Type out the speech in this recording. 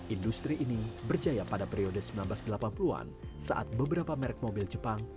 industri ini berjaya pada periode seribu sembilan ratus delapan puluh an saat beberapa merek mobil jepang